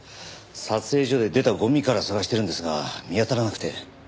撮影所で出たゴミから捜してるんですが見当たらなくて。